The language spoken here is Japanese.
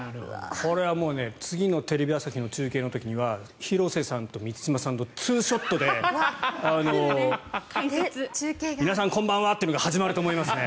これはもうね次のテレビ朝日の中継の時には広瀬さんと満島さんとツーショットで皆さん、こんばんはというのが始まると思いますね。